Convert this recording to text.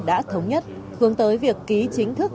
đã thống nhất hướng tới việc ký chính thức